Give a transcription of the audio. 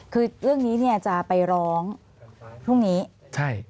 คือเรื่องนี้เนี่ยจะไปร้องพรุ่งนี้ใช่